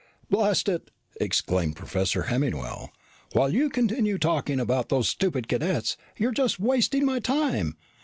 "Blast it!" exclaimed Professor Hemmingwell. "While you continue talking about those stupid cadets, you're just wasting my time.